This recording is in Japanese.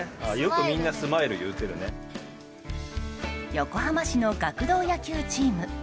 横浜市の学童野球チーム。